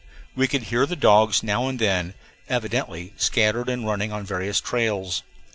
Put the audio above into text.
We could hear the dogs now and then, evidently scattered and running on various trails.